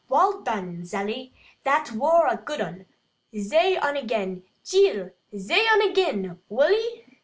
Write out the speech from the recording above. wull done, Zally, that wor a good un; zay un again, cheel! zay un again, wull 'e?"